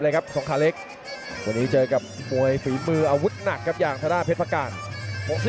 เล่นกันวัดกันระหว่างฝีมือกับเคราะห์ครับ